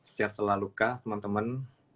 sehat selalukah teman teman